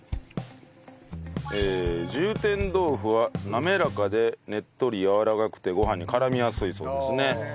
充填豆腐は滑らかでねっとりやわらかくてご飯に絡みやすいそうですね。